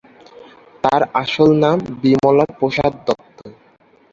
তার আসল নাম "বিমলা প্রসাদ দত্ত"।